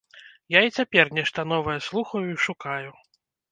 Я і цяпер нешта новае слухаю і шукаю.